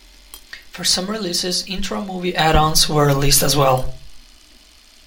For some releases, intro movie add-ons were released as well.